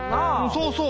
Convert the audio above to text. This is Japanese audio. そうそう！